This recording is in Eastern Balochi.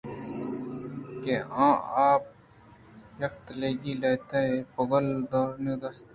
کہ آہاں آپ ءِ تَلَگِی ءَ لہتیں پُگل اوٛژناگ ءَ دیست